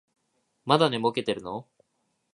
まだ寝ぼけてるの？